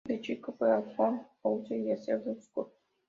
De chico, fue a Ashdown House y a Sherborne School.